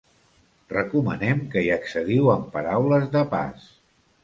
Recomanem que hi accediu amb paraules de pas.